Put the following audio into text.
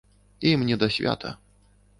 Ім не да свята.